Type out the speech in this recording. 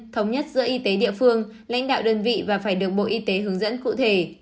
thống nhất giữa y tế địa phương lãnh đạo đơn vị và phải được bộ y tế hướng dẫn cụ thể